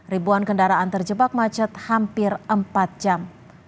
ribuan kendaraan terjebak macet hampir empat jam